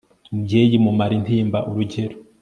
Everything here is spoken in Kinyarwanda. mubyeyi mumara ntimba, urugero